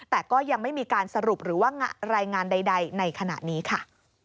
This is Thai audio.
แต่ก็ยังไม่มีการสรุปหรือว่ารายงานใดในขณะนี้ค่ะ